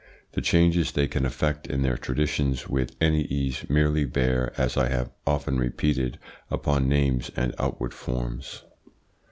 The changes they can effect in their traditions with any ease, merely bear, as I have often repeated, upon names and outward forms.